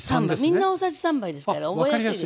みんな大さじ３杯ですから覚えやすいでしょ。